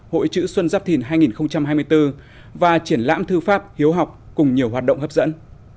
hội chữ xuân giáp thìn hai nghìn hai mươi bốn và triển lãm thư pháp hiếu học cùng nhiều hoạt động hấp dẫn